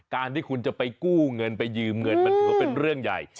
การที่คุณจะไปกู้เงินไปยืมเงินมันถือว่าเป็นเรื่องใหญ่